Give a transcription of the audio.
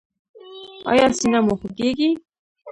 ایا سینه مو خوږیږي؟